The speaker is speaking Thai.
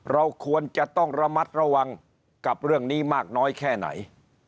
เราควรจะต้องระมัดระวังกับเรื่องนี้มากน้อยแค่ไหน